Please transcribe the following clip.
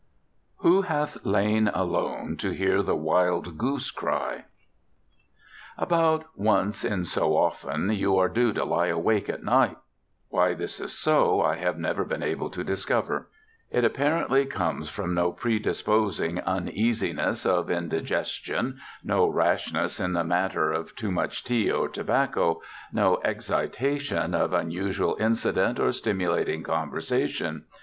"Who hath lain alone to hear the wild goose cry?" About once in so often you are due to lie awake at night. Why this is so I have never been able to discover. It apparently comes from no predisposing uneasiness of indigestion, no rashness in the matter of too much tea or tobacco, no excitation of unusual incident or stimulating conversation.